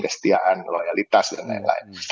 kesetiaan loyalitas dan lain lain